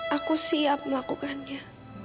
aku siap melakukannya